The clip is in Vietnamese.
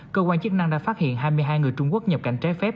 cơ quan chức năng đã phát hiện hai mươi hai người trung quốc nhập cảnh trái phép